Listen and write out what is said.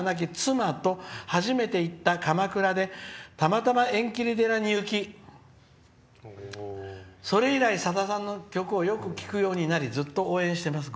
今は亡き妻と鎌倉で、たまたま縁切寺に行きそれ以来、さださんの曲をよく聴くようになり応援しています。